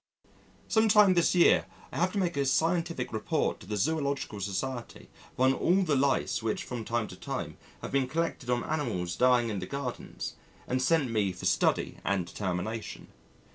Some time this year I have to make a scientific Report to the Zoological Society upon all the Lice which from time to time have been collected on animals dying in the gardens and sent me for study and determination.